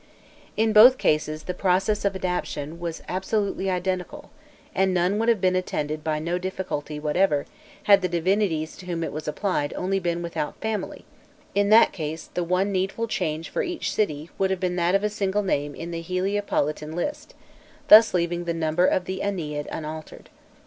In both cases the process of adaptation was absolutely identical, and would have been attended by no difficulty whatever, had the divinities to whom it was applied only been without family; in that case, the one needful change for each city would have been that of a single name in the Heliopolitan list, thus leaving the number of the Ennead unaltered.